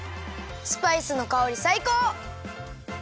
スパイスのかおりさいこう！